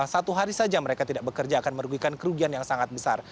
satu hari saja mereka tidak bekerja akan merugikan kerugian yang sangat besar